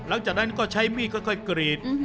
หลังจากนั้นก็ใช้มีดค่อยกรีด